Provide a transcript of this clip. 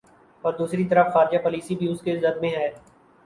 ا ور دوسری طرف خارجہ پالیسی بھی اس کی زد میں ہے۔